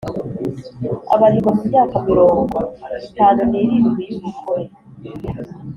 abarirwa mu myaka mirongo itanu n’irindwi y’ubukure.